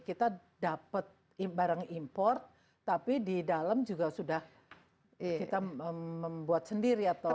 kita dapat barang import tapi di dalam juga sudah kita membuat sendiri atau